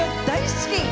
大好き！